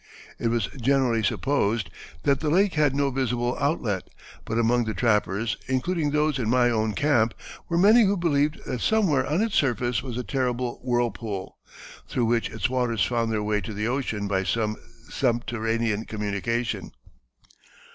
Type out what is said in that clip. It was generally supposed that the lake had no visible outlet, but among the trappers, including those in my own camp, were many who believed that somewhere on its surface was a terrible whirlpool, through which its waters found their way to the ocean by some subterranean communication."